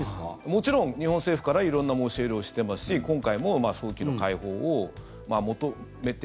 もちろん、日本政府から色んな申し入れをしてますし今回も早期の解放を求めて。